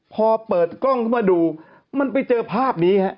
พอเปิดกล้องเข้ามาดูมันไปเจอภาพนี้ฮะ